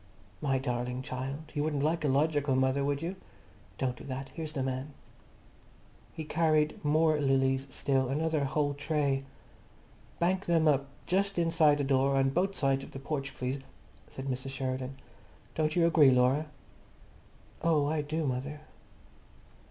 "My darling child, you wouldn't like a logical mother, would you? Don't do that. Here's the man." He carried more lilies still, another whole tray. "Bank them up, just inside the door, on both sides of the porch, please," said Mrs. Sheridan. "Don't you agree, Laura?" "Oh, I do, mother."